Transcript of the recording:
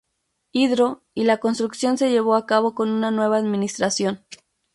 Hydro, y la construcción se llevó a cabo con una nueva administración.